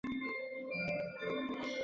位于周公宅水库下游。